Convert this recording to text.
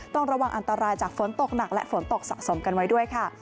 ต้องระวังอันตรายจากฝนตกหนักและฝนตกสะสมกันไว้ด้วยค่ะ